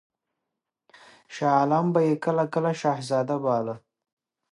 شاه عالم به یې کله کله شهزاده باله.